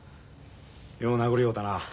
よう殴りおうたなあ。